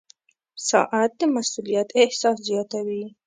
• ساعت د مسؤولیت احساس زیاتوي.